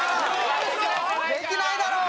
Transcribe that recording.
できないだろう！